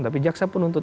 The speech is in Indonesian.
tapi jaksa pun untuk